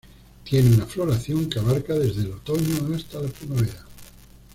Tiene una floración que abarca desde el otoño hasta la primavera.